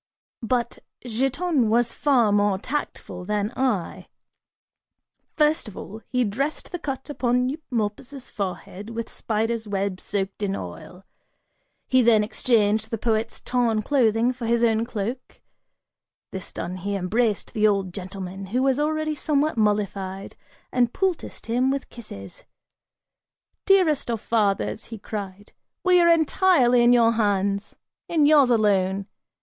(But) Giton was far more tactful than I: first of all, he dressed the cut upon Eumolpus' forehead, with spider's web soaked in oil; he then exchanged the poet's torn clothing for his own cloak; this done, he embraced the old gentleman, who was already somewhat mollified, and poulticed him with kisses. "Dearest of fathers," he cried, "we are entirely in your hands! In yours alone!